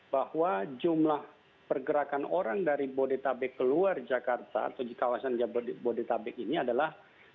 bahwa jumlah pergerakan orang dari bodetabek keluar jakarta atau di kawasan jabodetabek ini adalah